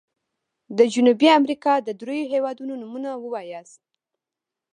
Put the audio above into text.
د جنوبي امريکا د دریو هيوادونو نومونه ووایاست.